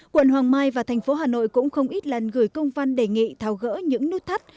quận hoàng mai và thành phố hà nội cũng không ít lần gửi công văn đề nghị tháo gỡ những nút thắt